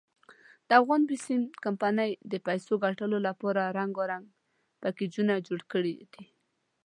دافغان بېسیم کمپنۍ د پیسو دګټلو ډپاره رنګارنګ پېکېجونه جوړ کړي دي.